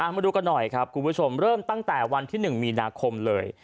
มาดูกันหน่อยครับคุณผู้ชมเริ่มตั้งแต่วันที่๑มีนาคมเลย